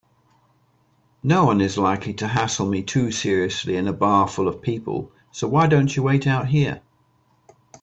Noone is likely to hassle me too seriously in a bar full of people, so why don't you wait out here?